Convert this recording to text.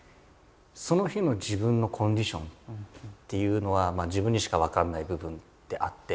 その日の自分のコンディションっていうのは自分にしか分からない部分ってあって。